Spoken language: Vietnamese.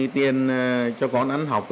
tiền cho con ăn học